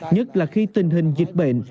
nhất là khi tình hình dịch bệnh